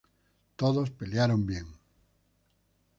Todos pelearon bien.